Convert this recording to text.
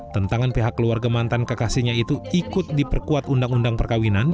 tentangan pihak keluarga mantan kekasihnya itu ikut diperkuat undang undang perkawinan